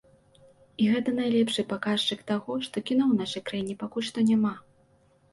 І гэта найлепшы паказчык таго, што кіно ў нашай краіне пакуль што няма.